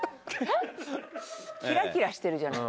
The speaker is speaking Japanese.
キラキラしてるじゃない？